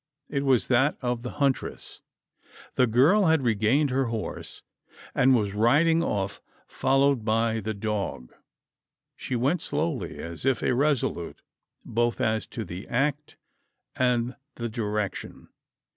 It was that of the huntress. The girl had regained her horse; and was riding off, followed by the dog. She went slowly as if irresolute both as to the act and the direction.